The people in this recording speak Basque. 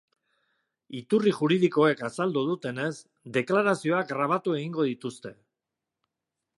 Iturri juridikoek azaldu dutenez, deklarazioak grabatu egingo dituzte.